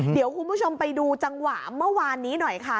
เดี๋ยวคุณผู้ชมไปดูจังหวะเมื่อวานนี้หน่อยค่ะ